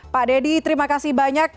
pak dedy terima kasih banyak